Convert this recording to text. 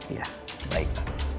iya baik pak